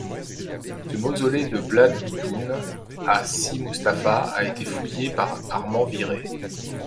Ce mausolée de Blad Guitoun à Si-Mustapha a été fouillé en par Armand Viré.